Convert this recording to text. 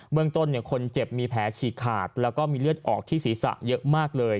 เมืองต้นคนเจ็บมีแผลฉีกขาดแล้วก็มีเลือดออกที่ศีรษะเยอะมากเลย